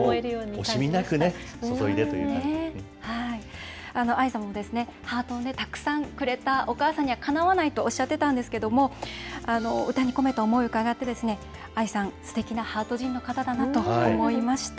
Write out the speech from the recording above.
おしみなくね、ＡＩさんもですね、ハートをたくさんくれたお母さんにはかなわないとおっしゃってたんですけども、歌に込めた思いを伺って、ＡＩさん、すてきなハート人の方だなと思いました。